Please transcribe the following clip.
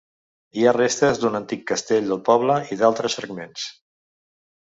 Hi ha restes d'un antic castell del poble, i d'altres fragments.